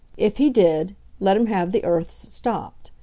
If he did, let him have the earths stopped.